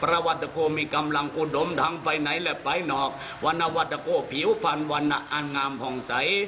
พระวัตถโกมีกำลังกุดดมทั้งไปไหนและไปนอกวันวัตถโกผิวพันวันอันงามห่องใส